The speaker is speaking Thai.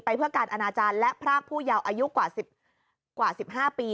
เพื่อการอนาจารย์และพรากผู้เยาว์อายุกว่า๑๕ปี